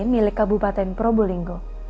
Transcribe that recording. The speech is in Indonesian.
milik kabupaten probolinggo